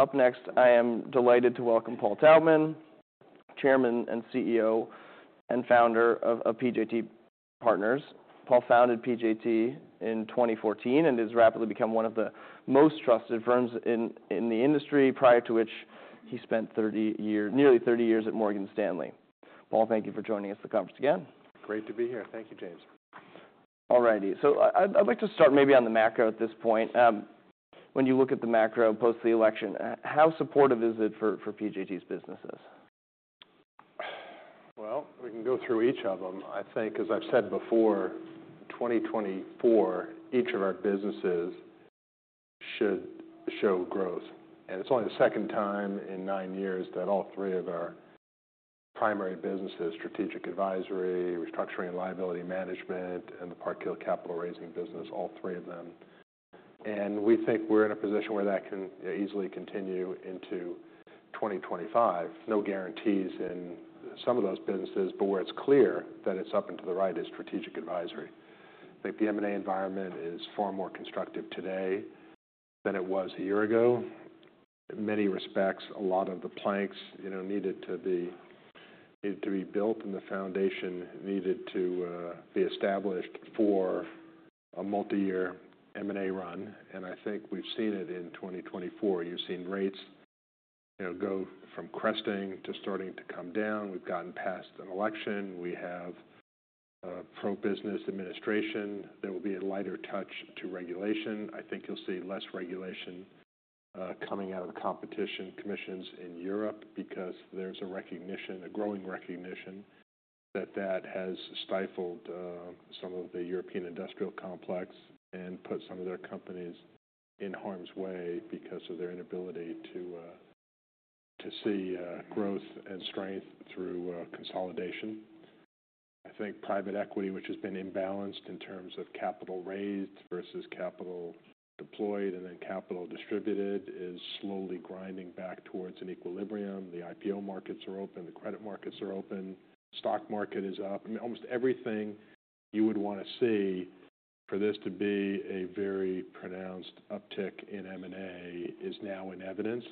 Up next, I am delighted to welcome Paul Taubman, Chairman and CEO, and founder of PJT Partners. Paul founded PJT in 2014 and has rapidly become one of the most trusted firms in the industry, prior to which he spent nearly 30 years at Morgan Stanley. Paul, thank you for joining us at the conference again. Great to be here. Thank you, James. All righty. So I'd like to start maybe on the macro at this point. When you look at the macro post the election, how supportive is it for PJT's businesses? We can go through each of them. I think, as I've said before, 2024, each of our businesses should show growth. It's only the second time in nine years that all three of our primary businesses, Strategic Advisory, Restructuring, and Liability Management, and the Park Hill capital raising business, all three of them. We think we're in a position where that can easily continue into 2025. No guarantees in some of those businesses, but where it's clear that it's up and to the right is Strategic Advisory. I think the M&A environment is far more constructive today than it was a year ago. In many respects, a lot of the planks needed to be built and the foundation needed to be established for a multi-year M&A run. I think we've seen it in 2024. You've seen rates go from cresting to starting to come down. We've gotten past an election. We have a pro-business administration. There will be a lighter touch to regulation. I think you'll see less regulation coming out of the competition commissions in Europe because there's a growing recognition that that has stifled some of the European industrial complex and put some of their companies in harm's way because of their inability to see growth and strength through consolidation. I think private equity, which has been imbalanced in terms of capital raised versus capital deployed and then capital distributed, is slowly grinding back towards an equilibrium. The IPO markets are open. The credit markets are open. The stock market is up. I mean, almost everything you would want to see for this to be a very pronounced uptick in M&A is now in evidence.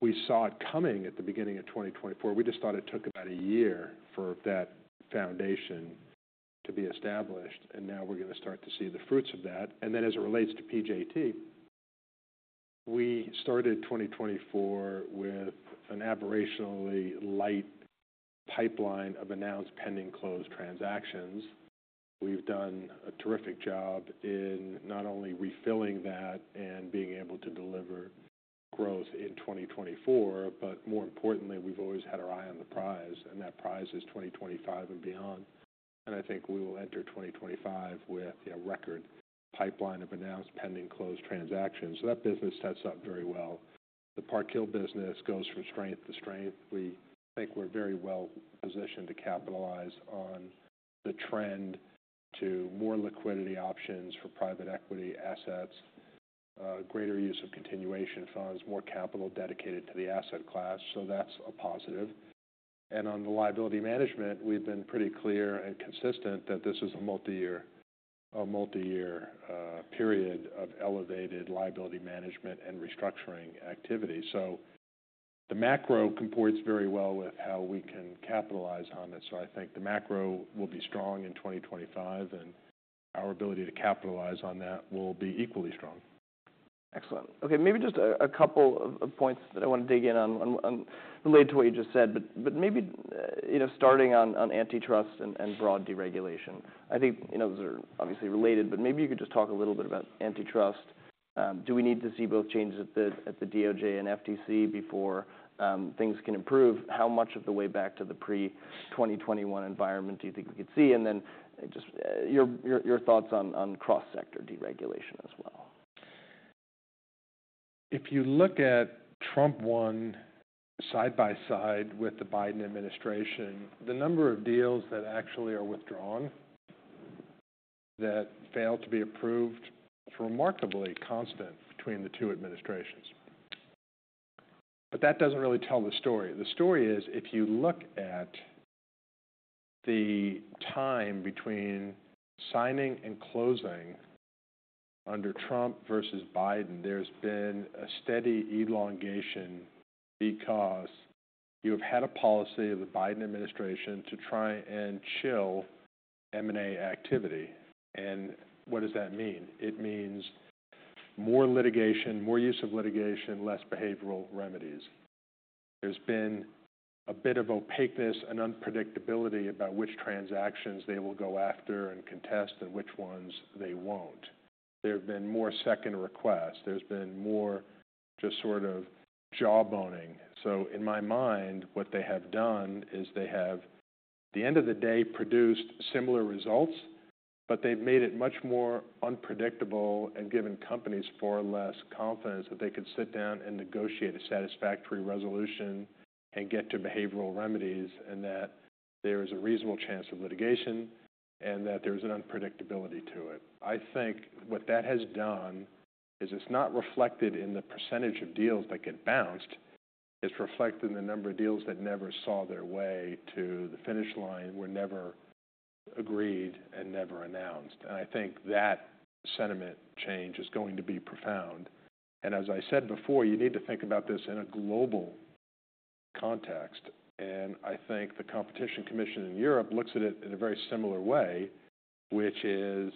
We saw it coming at the beginning of 2024. We just thought it took about a year for that foundation to be established, and now we're going to start to see the fruits of that. And then, as it relates to PJT, we started 2024 with an aberrationally light pipeline of announced pending close transactions. We've done a terrific job in not only refilling that and being able to deliver growth in 2024, but more importantly, we've always had our eye on the prize, and that prize is 2025 and beyond. And I think we will enter 2025 with a record pipeline of announced pending close transactions. So that business sets up very well. The Park Hill business goes from strength to strength. We think we're very well positioned to capitalize on the trend to more liquidity options for private equity assets, greater use of continuation funds, more capital dedicated to the asset class. So that's a positive. And on the Liability Management, we've been pretty clear and consistent that this is a multi-year period of elevated Liability Management and Restructuring activity. So the macro comports very well with how we can capitalize on it. So I think the macro will be strong in 2025, and our ability to capitalize on that will be equally strong. Excellent. Okay. Maybe just a couple of points that I want to dig in on related to what you just said, but maybe starting on antitrust and broad deregulation. I think those are obviously related, but maybe you could just talk a little bit about antitrust. Do we need to see both changes at the DOJ and FTC before things can improve? How much of the way back to the pre-2021 environment do you think we could see? And then just your thoughts on cross-sector deregulation as well. If you look at Trump one side by side with the Biden administration, the number of deals that actually are withdrawn, that fail to be approved, is remarkably constant between the two administrations. But that doesn't really tell the story. The story is, if you look at the time between signing and closing under Trump versus Biden, there's been a steady elongation because you have had a policy of the Biden administration to try and chill M&A activity. And what does that mean? It means more litigation, more use of litigation, less behavioral remedies. There's been a bit of opaqueness and unpredictability about which transactions they will go after and contest and which ones they won't. There have been more second requests. There's been more just sort of jawboning. In my mind, what they have done is they have, at the end of the day, produced similar results, but they've made it much more unpredictable and given companies far less confidence that they could sit down and negotiate a satisfactory resolution and get to behavioral remedies and that there is a reasonable chance of litigation and that there is an unpredictability to it. I think what that has done is it's not reflected in the percentage of deals that get bounced. It's reflected in the number of deals that never saw their way to the finish line, were never agreed, and never announced. And I think that sentiment change is going to be profound. And as I said before, you need to think about this in a global context. I think the Competition Commission in Europe looks at it in a very similar way, which is,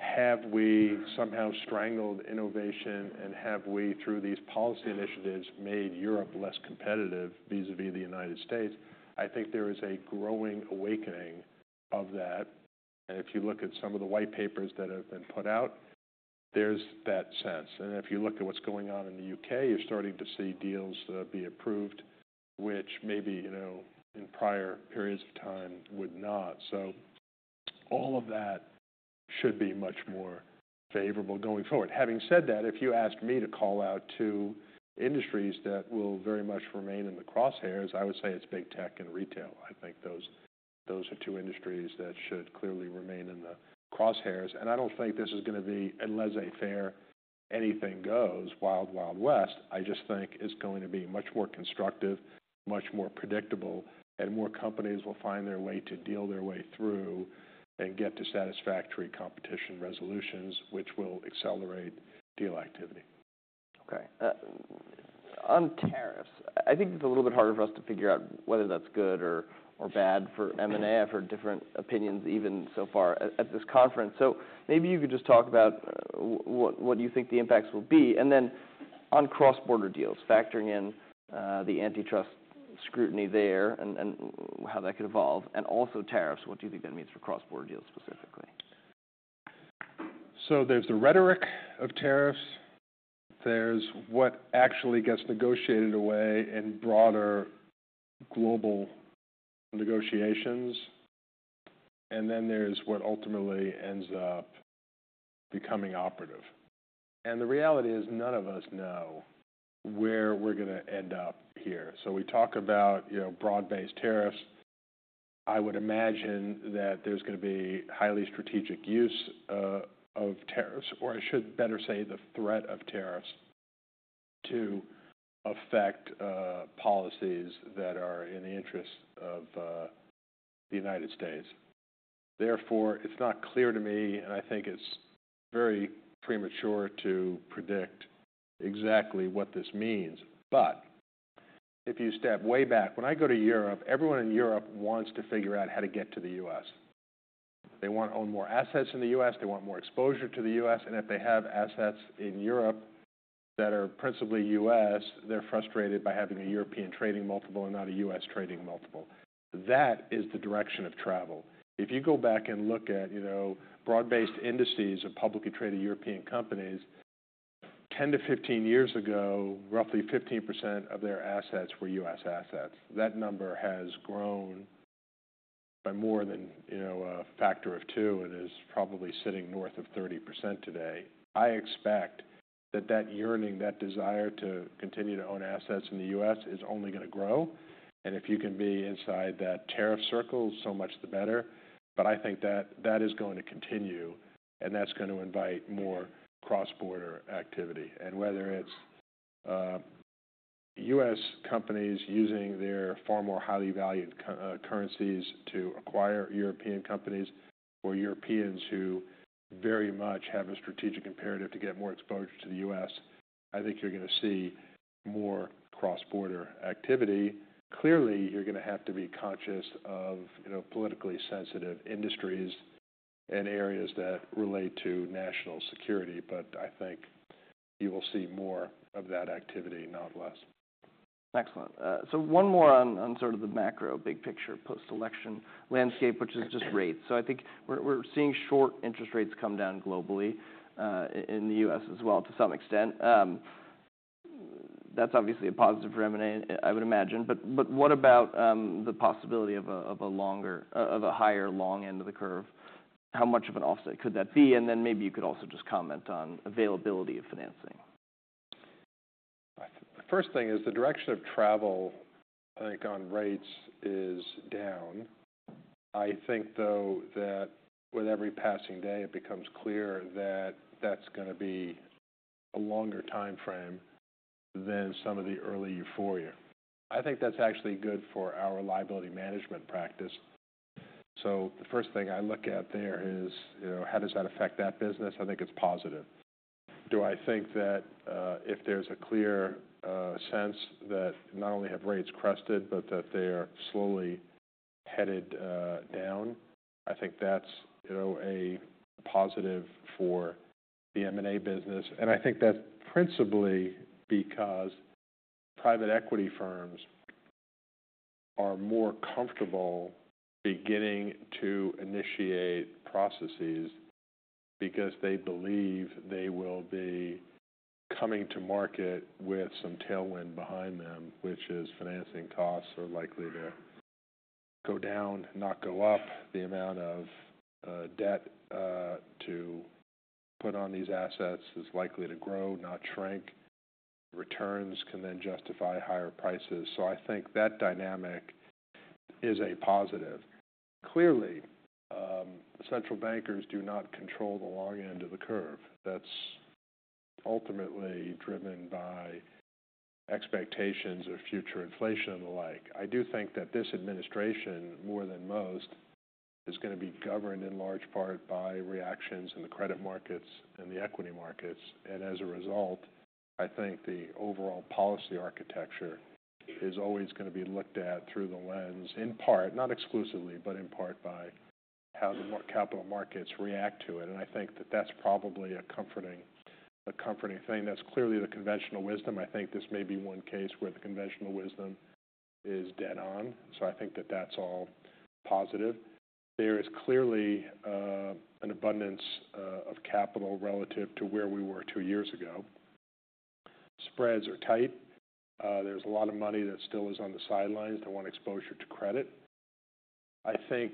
have we somehow strangled innovation and have we, through these policy initiatives, made Europe less competitive vis-à-vis the United States? I think there is a growing awakening of that. If you look at some of the white papers that have been put out, there's that sense. If you look at what's going on in the U.K., you're starting to see deals be approved, which maybe in prior periods of time would not. All of that should be much more favorable going forward. Having said that, if you asked me to call out two industries that will very much remain in the crosshairs, I would say it's big tech and retail. I think those are two industries that should clearly remain in the crosshairs. I don't think this is going to be a laissez-faire anything goes, wild, wild west. I just think it's going to be much more constructive, much more predictable, and more companies will find their way to deal their way through and get to satisfactory competition resolutions, which will accelerate deal activity. Okay. On tariffs, I think it's a little bit harder for us to figure out whether that's good or bad for M&A. I've heard different opinions even so far at this conference. So maybe you could just talk about what you think the impacts will be. And then on cross-border deals, factoring in the antitrust scrutiny there and how that could evolve, and also tariffs, what do you think that means for cross-border deals specifically? So there's the rhetoric of tariffs. There's what actually gets negotiated away in broader global negotiations. And then there's what ultimately ends up becoming operative. And the reality is none of us know where we're going to end up here. So we talk about broad-based tariffs. I would imagine that there's going to be highly strategic use of tariffs, or I should better say the threat of tariffs to affect policies that are in the interest of the United States. Therefore, it's not clear to me, and I think it's very premature to predict exactly what this means. But if you step way back, when I go to Europe, everyone in Europe wants to figure out how to get to the U.S. They want to own more assets in the U.S. They want more exposure to the U.S. And if they have assets in Europe that are principally U.S., they're frustrated by having a European trading multiple and not a U.S. trading multiple. That is the direction of travel. If you go back and look at broad-based indices of publicly traded European companies, 10-15 years ago, roughly 15% of their assets were U.S. assets. That number has grown by more than a factor of two and is probably sitting north of 30% today. I expect that that yearning, that desire to continue to own assets in the U.S. is only going to grow. And if you can be inside that tariff circle, so much the better. But I think that that is going to continue, and that's going to invite more cross-border activity. And whether it's U.S. companies using their far more highly valued currencies to acquire European companies or Europeans who very much have a strategic imperative to get more exposure to the U.S., I think you're going to see more cross-border activity. Clearly, you're going to have to be conscious of politically sensitive industries and areas that relate to national security. But I think you will see more of that activity, not less. Excellent, so one more on sort of the macro big picture post-election landscape, which is just rates. So I think we're seeing short interest rates come down globally in the U.S. as well to some extent. That's obviously a positive for M&A, I would imagine. But what about the possibility of a higher long end of the curve? How much of an offset could that be? And then maybe you could also just comment on availability of financing. The first thing is the direction of travel, I think, on rates is down. I think, though, that with every passing day, it becomes clear that that's going to be a longer time frame than some of the early euphoria. I think that's actually good for our liability management practice. So the first thing I look at there is how does that affect that business? I think it's positive. Do I think that if there's a clear sense that not only have rates crested, but that they are slowly headed down, I think that's a positive for the M&A business, and I think that's principally because private equity firms are more comfortable beginning to initiate processes because they believe they will be coming to market with some tailwind behind them, which is financing costs are likely to go down, not go up. The amount of debt to put on these assets is likely to grow, not shrink. Returns can then justify higher prices. So I think that dynamic is a positive. Clearly, central bankers do not control the long end of the curve. That's ultimately driven by expectations of future inflation and the like. I do think that this administration, more than most, is going to be governed in large part by reactions in the credit markets and the equity markets. And as a result, I think the overall policy architecture is always going to be looked at through the lens, in part, not exclusively, but in part by how the capital markets react to it. And I think that that's probably a comforting thing. That's clearly the conventional wisdom. I think this may be one case where the conventional wisdom is dead on. So I think that that's all positive. There is clearly an abundance of capital relative to where we were two years ago. Spreads are tight. There's a lot of money that still is on the sidelines that want exposure to credit. I think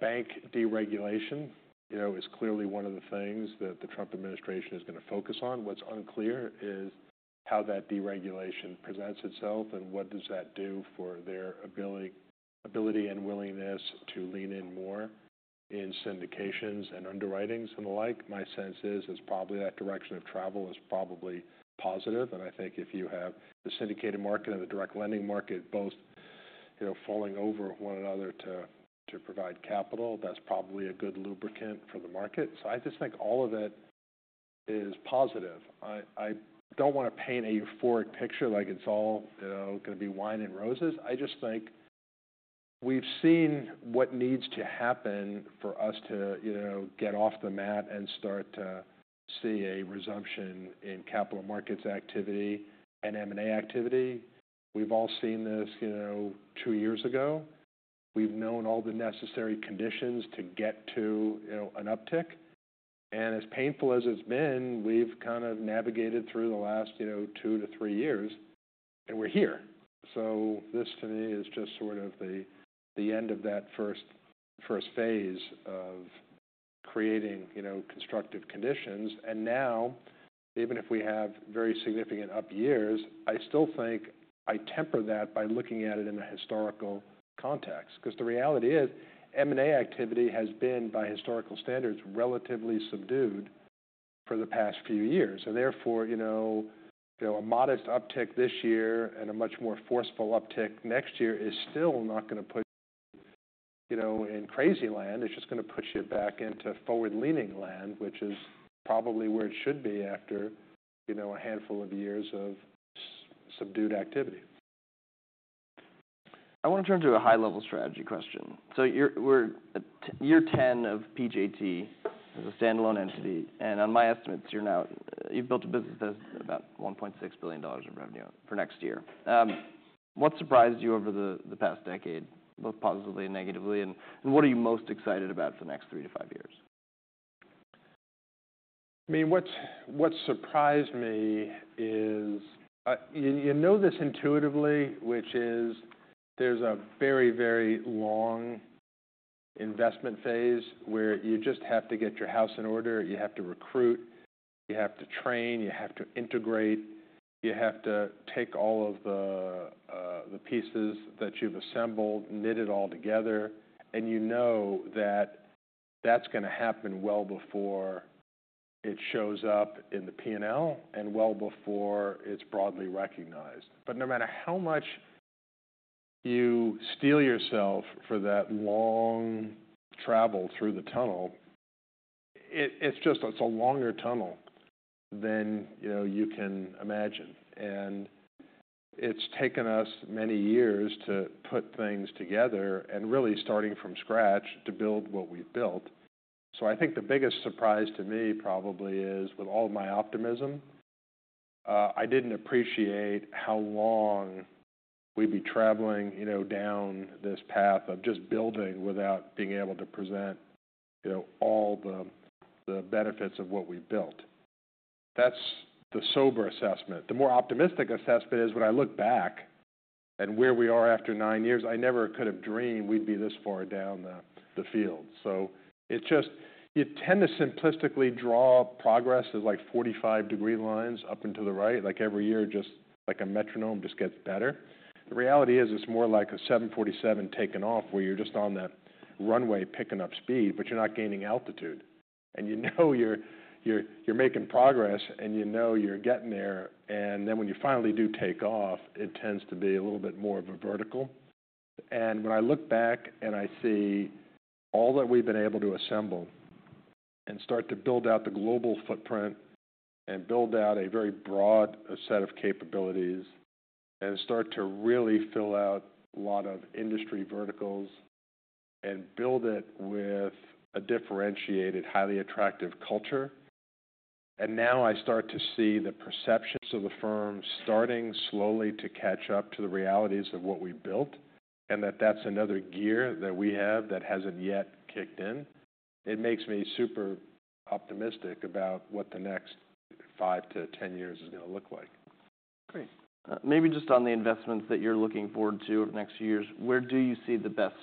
bank deregulation is clearly one of the things that the Trump administration is going to focus on. What's unclear is how that deregulation presents itself and what does that do for their ability and willingness to lean in more in syndications and underwritings and the like. My sense is probably that direction of travel is probably positive. And I think if you have the syndicated market and the direct lending market both falling over one another to provide capital, that's probably a good lubricant for the market. So I just think all of it is positive. I don't want to paint a euphoric picture like it's all going to be wine and roses. I just think we've seen what needs to happen for us to get off the mat and start to see a resumption in capital markets activity and M&A activity. We've all seen this two years ago. We've known all the necessary conditions to get to an uptick. And as painful as it's been, we've kind of navigated through the last two to three years, and we're here. So this, to me, is just sort of the end of that first phase of creating constructive conditions. And now, even if we have very significant up years, I still think I temper that by looking at it in a historical context. Because the reality is M&A activity has been, by historical standards, relatively subdued for the past few years. Therefore, a modest uptick this year and a much more forceful uptick next year is still not going to put you in crazy land. It's just going to put you back into forward-leaning land, which is probably where it should be after a handful of years of subdued activity. I want to turn to a high-level strategy question, so we're year 10 of PJT as a standalone entity, and on my estimates, you've built a business that has about $1.6 billion in revenue for next year. What surprised you over the past decade, both positively and negatively, and what are you most excited about for the next three to five years? I mean, what surprised me is you know this intuitively, which is there's a very, very long investment phase where you just have to get your house in order. You have to recruit. You have to train. You have to integrate. You have to take all of the pieces that you've assembled, knit it all together. And you know that that's going to happen well before it shows up in the P&L and well before it's broadly recognized. But no matter how much you steel yourself for that long travel through the tunnel, it's a longer tunnel than you can imagine. And it's taken us many years to put things together and really starting from scratch to build what we've built. So I think the biggest surprise to me probably is, with all my optimism, I didn't appreciate how long we'd be traveling down this path of just building without being able to present all the benefits of what we've built. That's the sober assessment. The more optimistic assessment is when I look back at where we are after nine years, I never could have dreamed we'd be this far down the field. So you tend to simplistically draw progress as like 45-degree lines up and to the right. Like every year, just like a metronome, just gets better. The reality is it's more like a 747 taking off where you're just on that runway picking up speed, but you're not gaining altitude. And you know you're making progress, and you know you're getting there. And then when you finally do take off, it tends to be a little bit more of a vertical. And when I look back and I see all that we've been able to assemble and start to build out the global footprint and build out a very broad set of capabilities and start to really fill out a lot of industry verticals and build it with a differentiated, highly attractive culture, and now I start to see the perceptions of the firm starting slowly to catch up to the realities of what we've built and that that's another gear that we have that hasn't yet kicked in, it makes me super optimistic about what the next 5-10 years is going to look like. Great. Maybe just on the investments that you're looking forward to over the next few years, where do you see the best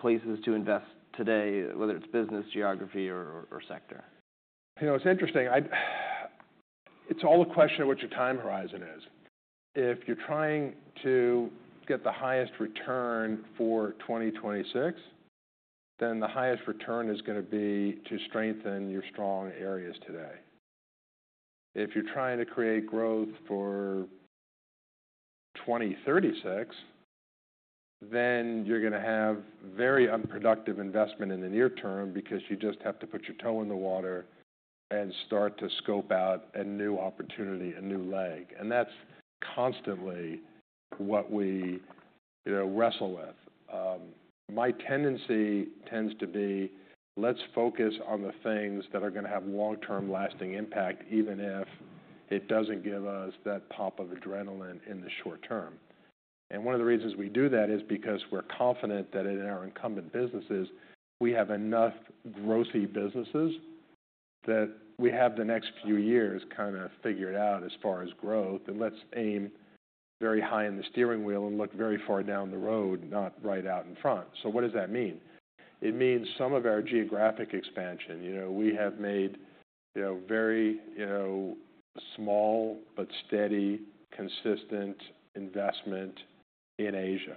places to invest today, whether it's business, geography, or sector? It's interesting. It's all a question of what your time horizon is. If you're trying to get the highest return for 2026, then the highest return is going to be to strengthen your strong areas today. If you're trying to create growth for 2036, then you're going to have very unproductive investment in the near term because you just have to put your toe in the water and start to scope out a new opportunity, a new leg. And that's constantly what we wrestle with. My tendency tends to be, let's focus on the things that are going to have long-term lasting impact, even if it doesn't give us that pop of adrenaline in the short term. And one of the reasons we do that is because we're confident that in our incumbent businesses, we have enough growthy businesses that we have the next few years kind of figured out as far as growth. And let's aim very high in the steering wheel and look very far down the road, not right out in front. So what does that mean? It means some of our geographic expansion. We have made very small but steady, consistent investment in Asia.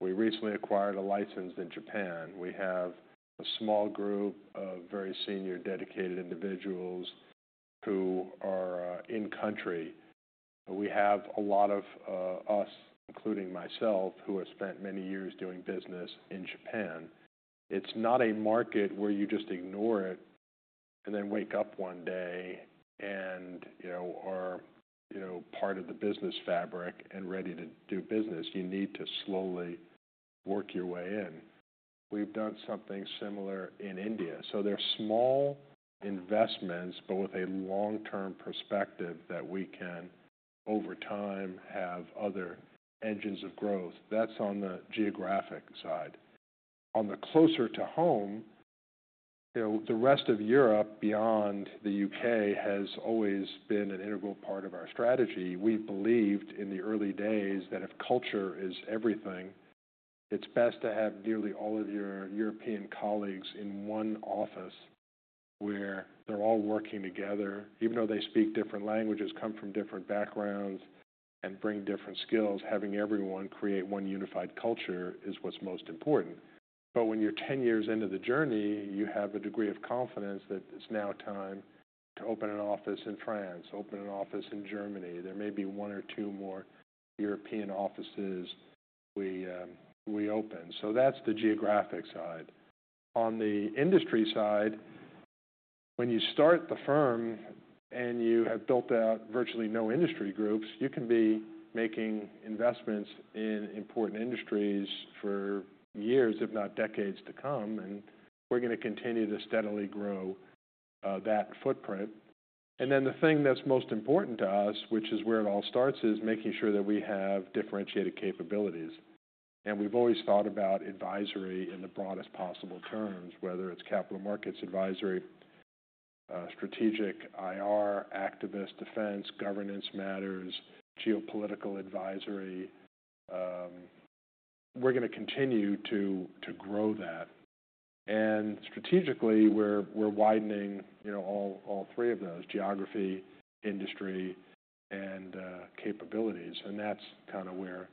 We recently acquired a license in Japan. We have a small group of very senior, dedicated individuals who are in-country. We have a lot of us, including myself, who have spent many years doing business in Japan. It's not a market where you just ignore it and then wake up one day and are part of the business fabric and ready to do business. You need to slowly work your way in. We've done something similar in India. So they're small investments, but with a long-term perspective that we can, over time, have other engines of growth. That's on the geographic side. On the closer to home, the rest of Europe beyond the UK has always been an integral part of our strategy. We believed in the early days that if culture is everything, it's best to have nearly all of your European colleagues in one office where they're all working together. Even though they speak different languages, come from different backgrounds, and bring different skills, having everyone create one unified culture is what's most important. But when you're 10 years into the journey, you have a degree of confidence that it's now time to open an office in France, open an office in Germany. There may be one or two more European offices we open. So that's the geographic side. On the industry side, when you start the firm and you have built out virtually no industry groups, you can be making investments in important industries for years, if not decades, to come. And we're going to continue to steadily grow that footprint. And then the thing that's most important to us, which is where it all starts, is making sure that we have differentiated capabilities. And we've always thought about advisory in the broadest possible terms, whether it's capital markets advisory, strategic IR, activist defense, governance matters, geopolitical advisory. We're going to continue to grow that. And strategically, we're widening all three of those: geography, industry, and capabilities. And that's kind of where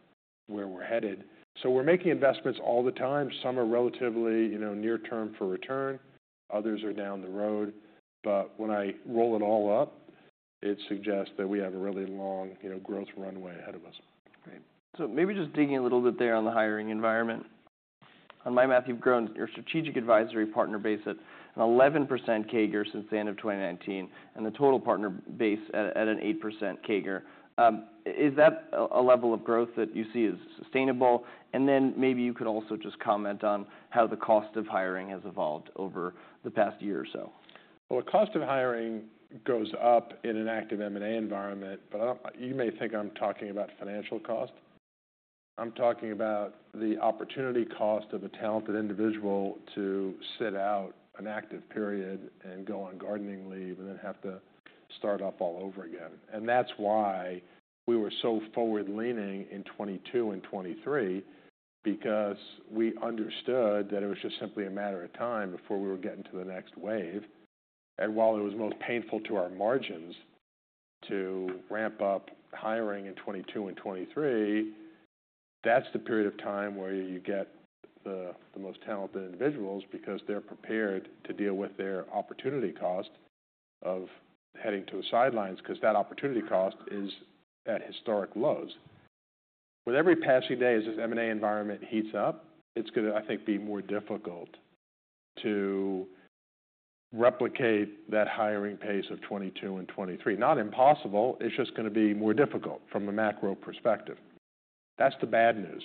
we're headed. So we're making investments all the time. Some are relatively near-term for return. Others are down the road. But when I roll it all up, it suggests that we have a really long growth runway ahead of us. Great. So maybe just digging a little bit there on the hiring environment. On my math, you've grown your Strategic Advisory partner base at an 11% CAGR since the end of 2019 and the total partner base at an 8% CAGR. Is that a level of growth that you see as sustainable? And then maybe you could also just comment on how the cost of hiring has evolved over the past year or so. The cost of hiring goes up in an active M&A environment. But you may think I'm talking about financial cost. I'm talking about the opportunity cost of a talented individual to sit out an active period and go on gardening leave and then have to start up all over again. And that's why we were so forward-leaning in 2022 and 2023, because we understood that it was just simply a matter of time before we were getting to the next wave. And while it was most painful to our margins to ramp up hiring in 2022 and 2023, that's the period of time where you get the most talented individuals because they're prepared to deal with their opportunity cost of heading to the sidelines because that opportunity cost is at historic lows. With every passing day as this M&A environment heats up, it's going to, I think, be more difficult to replicate that hiring pace of 2022 and 2023. Not impossible. It's just going to be more difficult from a macro perspective. That's the bad news.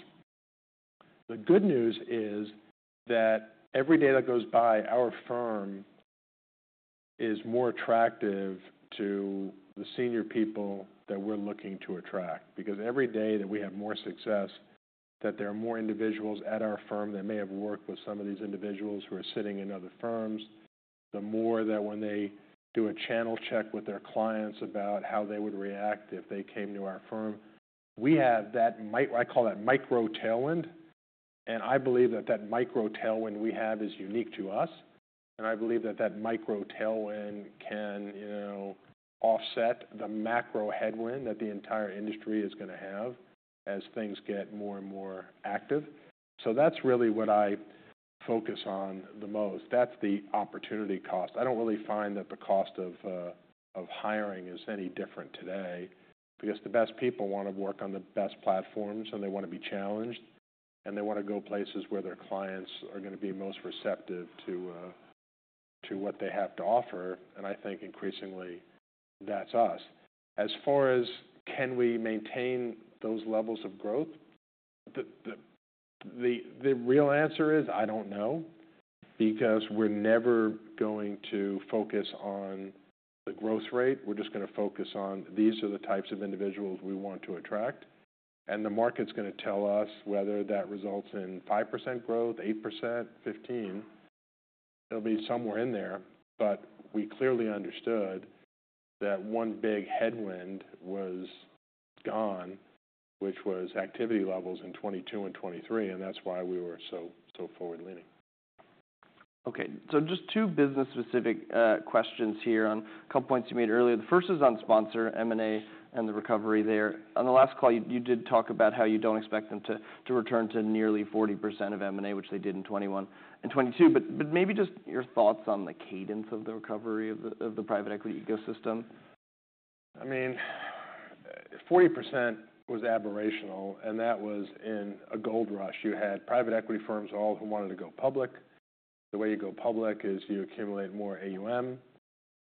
The good news is that every day that goes by, our firm is more attractive to the senior people that we're looking to attract. Because every day that we have more success, that there are more individuals at our firm that may have worked with some of these individuals who are sitting in other firms, the more that when they do a channel check with their clients about how they would react if they came to our firm, we have that, I call that micro tailwind, and I believe that that micro tailwind we have is unique to us. I believe that that micro tailwind can offset the macro headwind that the entire industry is going to have as things get more and more active. That's really what I focus on the most. That's the opportunity cost. I don't really find that the cost of hiring is any different today because the best people want to work on the best platforms, and they want to be challenged, and they want to go places where their clients are going to be most receptive to what they have to offer. I think increasingly that's us. As far as can we maintain those levels of growth, the real answer is I don't know because we're never going to focus on the growth rate. We're just going to focus on these are the types of individuals we want to attract. And the market's going to tell us whether that results in 5% growth, 8%, 15%. It'll be somewhere in there. But we clearly understood that one big headwind was gone, which was activity levels in 2022 and 2023. And that's why we were so forward-leaning. Okay. So just two business-specific questions here on a couple of points you made earlier. The first is on sponsor M&A and the recovery there. On the last call, you did talk about how you don't expect them to return to nearly 40% of M&A, which they did in 2021 and 2022. But maybe just your thoughts on the cadence of the recovery of the private equity ecosystem. I mean, 40% was aberrational. That was in a gold rush. You had private equity firms all who wanted to go public. The way you go public is you accumulate more AUM.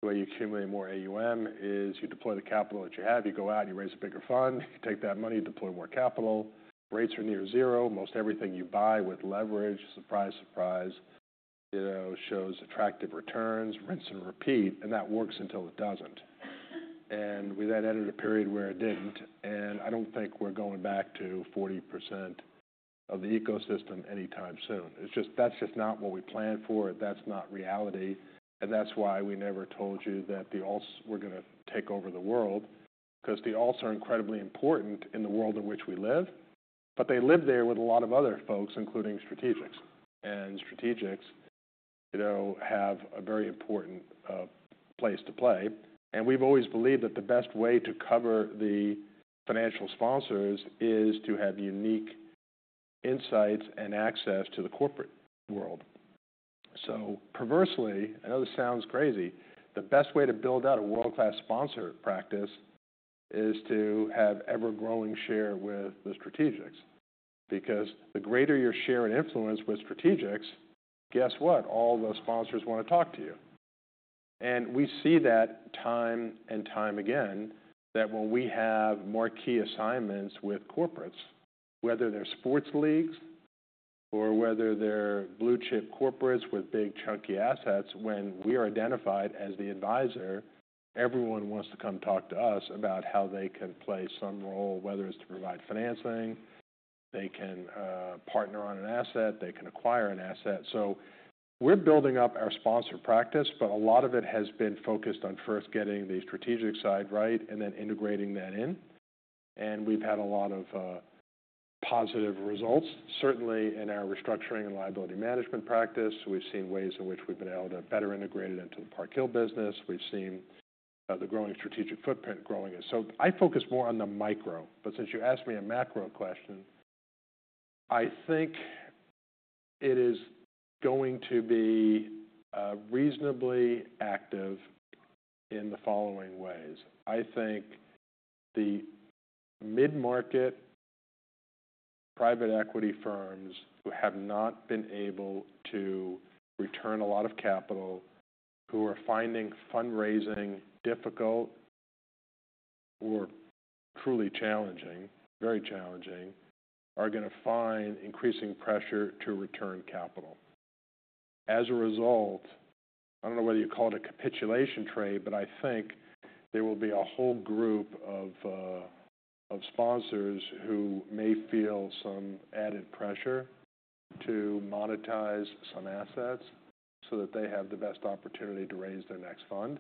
The way you accumulate more AUM is you deploy the capital that you have. You go out, you raise a bigger fund. You take that money, you deploy more capital. Rates are near zero. Most everything you buy with leverage, surprise, surprise, shows attractive returns, rinse and repeat. That works until it doesn't. We then entered a period where it didn't. I don't think we're going back to 40% of the ecosystem anytime soon. That's just not what we planned for. That's not reality. That's why we never told you that we're going to take over the world because the alts are incredibly important in the world in which we live. But they live there with a lot of other folks, including strategics. And strategics have a very important place to play. And we've always believed that the best way to cover the financial sponsors is to have unique insights and access to the corporate world. So perversely, I know this sounds crazy, the best way to build out a world-class sponsor practice is to have ever-growing share with the strategics. Because the greater your share and influence with strategics, guess what? All the sponsors want to talk to you. And we see that time and time again that when we have more key assignments with corporates, whether they're sports leagues or whether they're blue-chip corporates with big chunky assets, when we are identified as the advisor, everyone wants to come talk to us about how they can play some role, whether it's to provide financing, they can partner on an asset, they can acquire an asset. So we're building up our sponsor practice, but a lot of it has been focused on first getting the strategic side right and then integrating that in. And we've had a lot of positive results. Certainly, in our restructuring and liability management practice, we've seen ways in which we've been able to better integrate it into the Park Hill business. We've seen the growing strategic footprint growing. So I focus more on the micro. But since you asked me a macro question, I think it is going to be reasonably active in the following ways. I think the mid-market private equity firms who have not been able to return a lot of capital, who are finding fundraising difficult or truly challenging, very challenging, are going to find increasing pressure to return capital. As a result, I don't know whether you call it a capitulation trade, but I think there will be a whole group of sponsors who may feel some added pressure to monetize some assets so that they have the best opportunity to raise their next fund.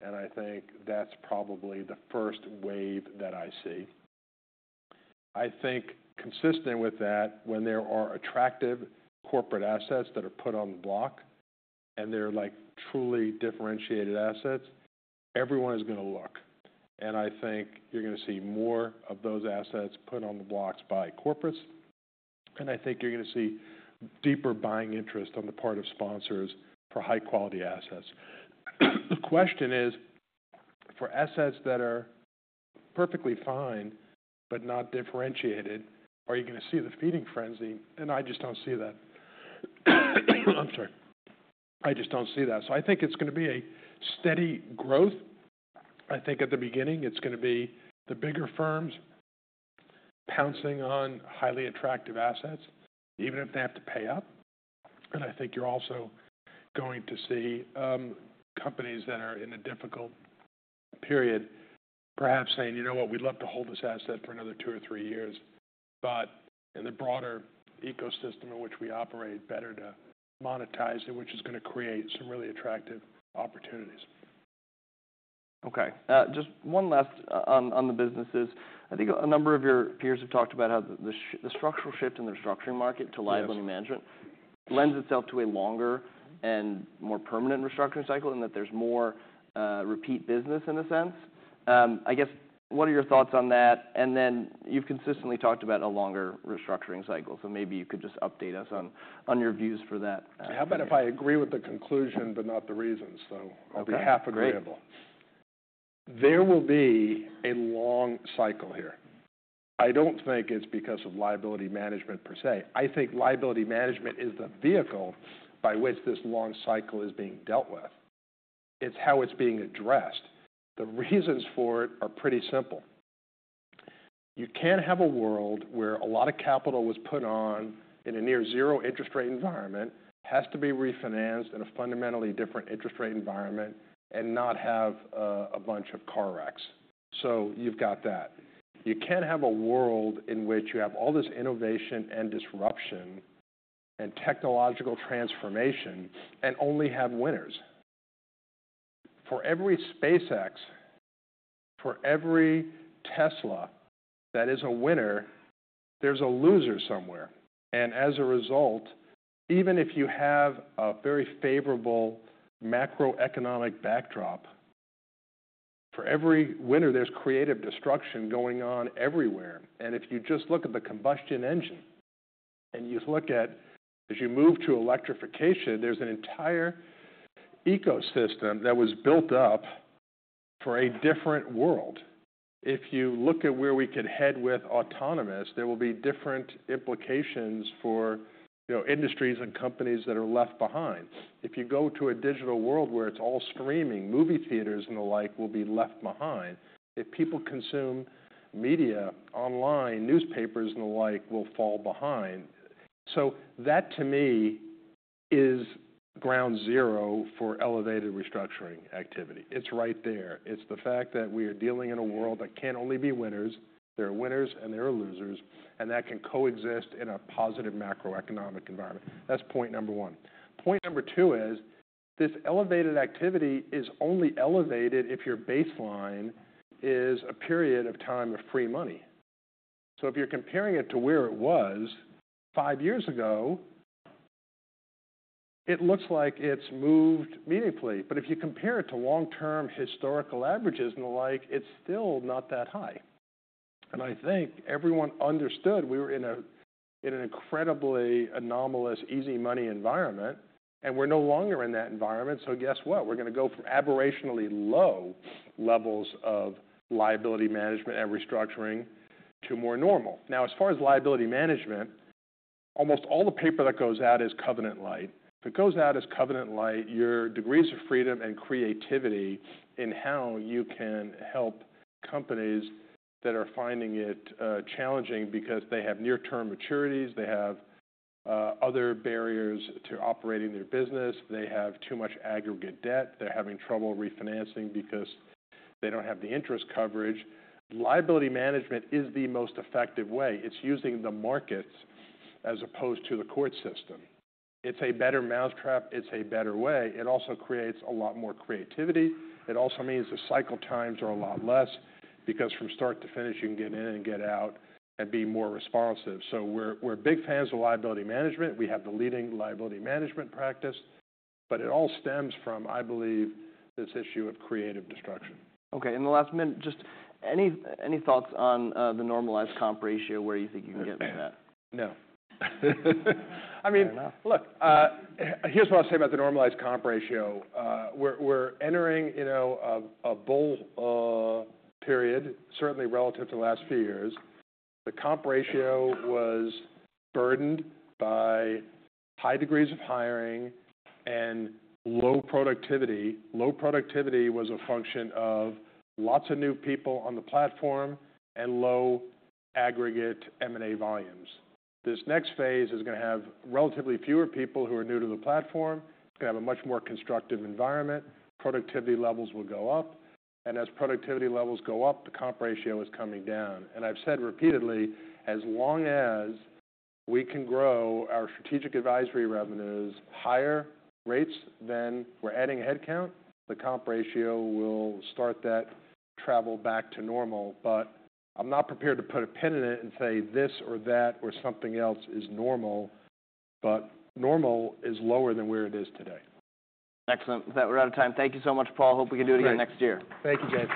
And I think that's probably the first wave that I see. I think consistent with that, when there are attractive corporate assets that are put on the block and they're truly differentiated assets, everyone is going to look. And I think you're going to see more of those assets put on the blocks by corporates. And I think you're going to see deeper buying interest on the part of sponsors for high-quality assets. The question is, for assets that are perfectly fine but not differentiated, are you going to see the feeding frenzy? And I just don't see that. I'm sorry. I just don't see that. So I think it's going to be a steady growth. I think at the beginning, it's going to be the bigger firms pouncing on highly attractive assets, even if they have to pay up. And I think you're also going to see companies that are in a difficult period perhaps saying, "You know what? We'd love to hold this asset for another two or three years, but in the broader ecosystem in which we operate, better to monetize it, which is going to create some really attractive opportunities. Okay. Just one last on the businesses. I think a number of your peers have talked about how the structural shift in the restructuring market to liability management lends itself to a longer and more permanent restructuring cycle and that there's more repeat business in a sense. I guess, what are your thoughts on that? And then you've consistently talked about a longer restructuring cycle. So maybe you could just update us on your views for that. How about if I agree with the conclusion but not the reasons? So I'll be half agreeable. Okay. There will be a long cycle here. I don't think it's because of liability management per se. I think liability management is the vehicle by which this long cycle is being dealt with. It's how it's being addressed. The reasons for it are pretty simple. You can't have a world where a lot of capital was put on in a near-zero interest rate environment, has to be refinanced in a fundamentally different interest rate environment, and not have a bunch of car wrecks. So you've got that. You can't have a world in which you have all this innovation and disruption and technological transformation and only have winners. For every SpaceX, for every Tesla that is a winner, there's a loser somewhere. And as a result, even if you have a very favorable macroeconomic backdrop, for every winner, there's creative destruction going on everywhere. If you just look at the combustion engine and you look at, as you move to electrification, there's an entire ecosystem that was built up for a different world. If you look at where we could head with autonomous, there will be different implications for industries and companies that are left behind. If you go to a digital world where it's all streaming, movie theaters and the like will be left behind. If people consume media online, newspapers and the like will fall behind. So that, to me, is ground zero for elevated restructuring activity. It's right there. It's the fact that we are dealing in a world that can't only be winners. There are winners and there are losers. And that can coexist in a positive macroeconomic environment. That's point number one. Point number two is this elevated activity is only elevated if your baseline is a period of time of free money. So if you're comparing it to where it was five years ago, it looks like it's moved meaningfully. But if you compare it to long-term historical averages and the like, it's still not that high. And I think everyone understood we were in an incredibly anomalous easy money environment. And we're no longer in that environment. So guess what? We're going to go from aberrationally low levels of liability management and restructuring to more normal. Now, as far as liability management, almost all the paper that goes out is covenant-lite. If it goes out as covenant-lite, your degrees of freedom and creativity in how you can help companies that are finding it challenging because they have near-term maturities, they have other barriers to operating their business, they have too much aggregate debt, they're having trouble refinancing because they don't have the interest coverage. Liability management is the most effective way. It's using the markets as opposed to the court system. It's a better mousetrap. It's a better way. It also creates a lot more creativity. It also means the cycle times are a lot less because from start to finish, you can get in and get out and be more responsive. So we're big fans of liability management. We have the leading liability management practice. But it all stems from, I believe, this issue of creative destruction. Okay. In the last minute, just any thoughts on the normalized comp ratio where you think you can get to that? No. I mean, look, here's what I'll say about the normalized comp ratio. We're entering a bull period, certainly relative to the last few years. The comp ratio was burdened by high degrees of hiring and low productivity. Low productivity was a function of lots of new people on the platform and low aggregate M&A volumes. This next phase is going to have relatively fewer people who are new to the platform. It's going to have a much more constructive environment. Productivity levels will go up, and as productivity levels go up, the comp ratio is coming down, and I've said repeatedly, as long as we can grow our strategic advisory revenues higher rates than we're adding headcount, the comp ratio will start that travel back to normal, but I'm not prepared to put a pin in it and say this or that or something else is normal. But normal is lower than where it is today. Excellent. We're out of time. Thank you so much, Paul. Hope we can do it again next year. Thank you, James.